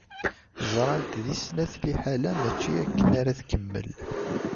Ẓrant di snat liḥala mačči akken ara tkemmel.